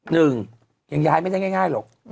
หนึ่งยังย้ายไม่ได้ง่ายหรอก